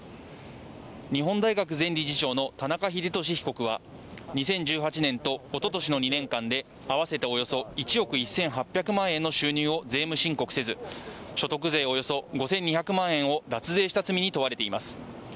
日本大学前理事長の田中英壽被告は、２０１８年と一昨年の２年間であわせておよそ１億１８００万円の収入を税務申告せず、所得税およそ５２００万円を脱税した罪に問われています。